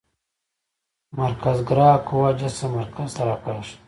مرکزګرا قوه جسم مرکز ته راکاږي.